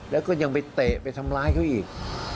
แล้วก็ยังไปเตะไปทำร้ายเขาอีก